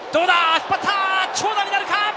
引っ張った、長打になるか？